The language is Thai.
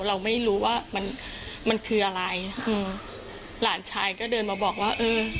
เราไม่รู้ว่ามันมันคืออะไรอืมหลานชายก็เดินมาบอกว่าเออ